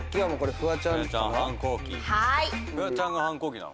フワちゃんが反抗期なの？